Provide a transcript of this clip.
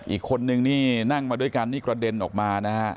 อีกคนนึงนี่นั่งมาด้วยกันนี่กระเด็นออกมานะฮะ